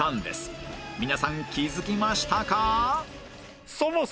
皆さん気づきましたか？